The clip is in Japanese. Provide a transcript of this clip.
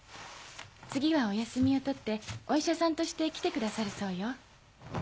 次はお休みを取ってお医者さんとして来てくださるそうよ。